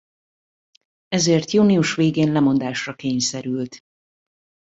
Ezért június végén lemondásra kényszerült.